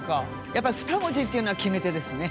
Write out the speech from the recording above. やっぱり２文字っていうのが決め手ですね。